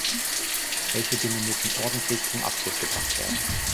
Solche Dinge müssen ordentlich zum Abschluss gebracht werden.